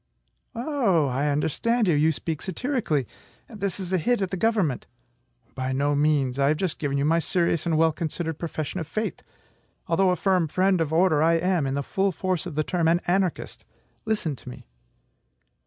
"Oh! I understand you; you speak satirically. This is a hit at the government." "By no means. I have just given you my serious and well considered profession of faith. Although a firm friend of order, I am (in the full force of the term) an anarchist. Listen to me."